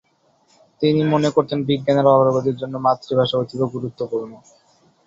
তিনি মনে করতেন বিজ্ঞানের অগ্রগতির জন্য মাতৃভাষা অতীব গুরুত্বপূর্ণ।